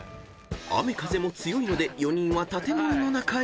［雨風も強いので４人は建物の中へ］